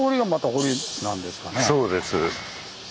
そうです。